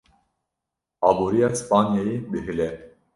Aboriya Spanyayê dihile.